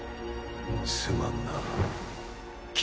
すまんな禁